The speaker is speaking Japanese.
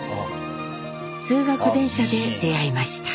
通学電車で出会いました。